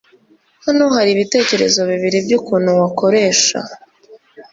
Hano hari ibitekerezo bibiri byukuntu wakoresha